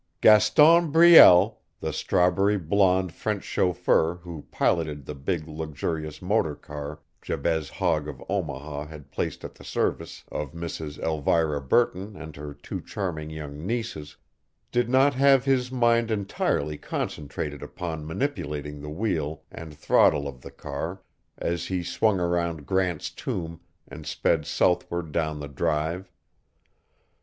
Gaston Brielle, the strawberry blonde French chauffeur who piloted the big, luxurious motor car Jabez Hogg of Omaha had placed at the service of Mrs. Elvira Burton and her two charming young nieces, did not have his mind entirely concentrated upon manipulating the wheel and throttle of the car as he swung around Grant's Tomb and sped southward down the Drive.